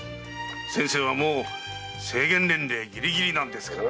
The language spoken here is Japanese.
先生はもう制限年齢ぎりぎりなんですから。